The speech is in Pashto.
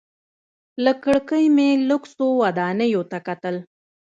له کړکۍ مې لوکسو ودانیو ته کتل.